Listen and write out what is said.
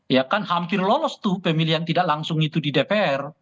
ya kan hampir lolos tuh pemilihan tidak langsung itu di dpr